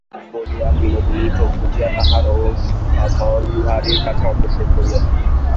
বলিয়া বিনোদিনী চোখ বুজিয়া তাহার ওষ্ঠাধর বিহারীর কাছে অগ্রসর করিয়া দিল।